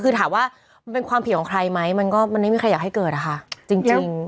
คือถามว่ามันเป็นความผิดของใครไหมมันก็มันไม่มีใครอยากให้เกิดอะค่ะจริง